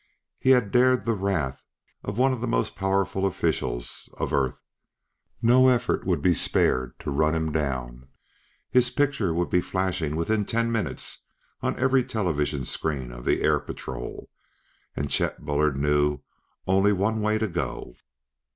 He had dared the wrath of one of the most powerful officials of Earth; no effort would be spared to run him down; his picture would be flashing within ten minutes on every television screen of the Air Patrol. And Chet Bullard knew only one way to go.